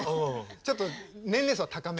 ちょっと年齢層高め。